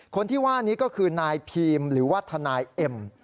คนที่ว่านี้ก็คือนายพีมหรือว่าทนายเอ็ม